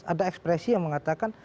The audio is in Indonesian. ada ekspresi yang mengatakan